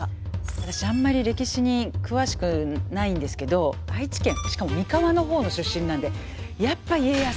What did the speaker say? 私あんまり歴史に詳しくないんですけど愛知県しかも三河の方の出身なんでやっぱり家康松潤！